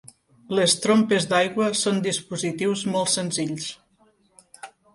Les trompes d'aigua són dispositius molt senzills.